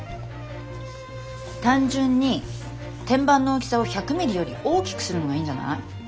単純に天板の大きさを１００ミリより大きくするのがいいんじゃない？